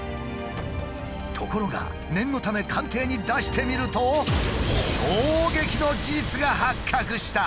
ところが念のため鑑定に出してみると衝撃の事実が発覚した！